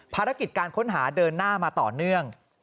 ภารกิจการค้นหาเดินหน้ามาต่อเนื่อง